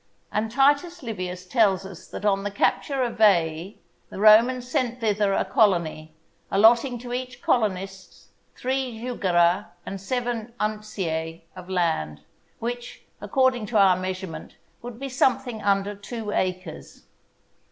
And Titus Livius tells us that on the capture of Veii, the Romans sent thither a colony, allotting to each colonist three jugera and seven unciae of land, which, according to our measurement would be something under two acres.